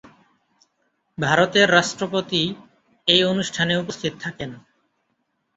ভারতের রাষ্ট্রপতি এই অনুষ্ঠানে উপস্থিত থাকেন।